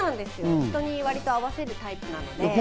人に割と合わせるタイプなんで。